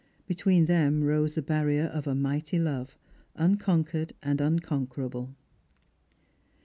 Between them rose the barrier of a mighty love, unconquered and unconquer ' able.